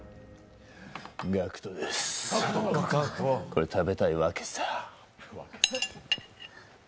これ食べたいわけさ。